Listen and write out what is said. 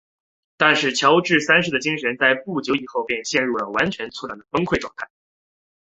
但是乔治三世的精神在不久以后便又陷入了完全错乱崩溃的状态。